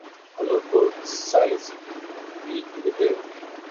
Adolfo Sáez: Titiritero.